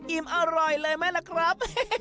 อิ่มอร่อยเลยไหมล่ะครับ